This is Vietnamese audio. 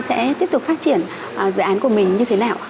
sẽ tiếp tục phát triển dự án của mình như thế nào